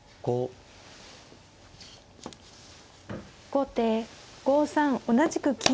後手５三同じく金。